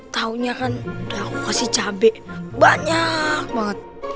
taunya kan aku kasih cabai banyak banget